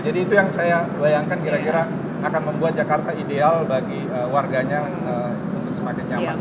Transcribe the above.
jadi itu yang saya bayangkan kira kira akan membuat jakarta ideal bagi warganya untuk semakin nyaman